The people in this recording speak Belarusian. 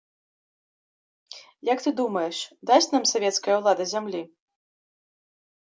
Як ты думаеш, дасць нам савецкая ўлада зямлі?